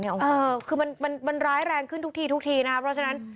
เออคือมันมันร้ายแรงขึ้นทุกทีทุกทีนะครับเพราะฉะนั้น